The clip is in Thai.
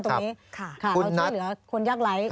ตรงนี้ค่ะคุณนัฐ